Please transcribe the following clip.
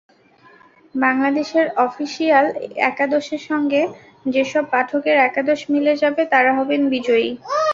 বাংলাদেশের অফিসিয়াল একাদশের সঙ্গে যেসব পাঠকের একাদশ মিলে যাবে, তাঁরা হবেন বিজয়ী।